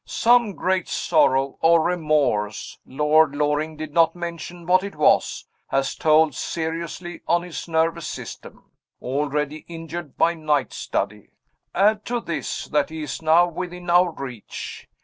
Some great sorrow or remorse Lord Loring did not mention what it was has told seriously on his nervous system, already injured by night study. Add to this, that he is now within our reach.